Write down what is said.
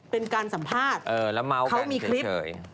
เป็นการสัมภาษณ์เขามีคลิป